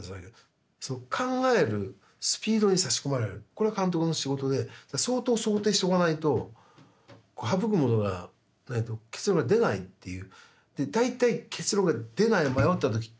これ監督の仕事で相当想定しておかないと省くものがないと結論が出ないっていう。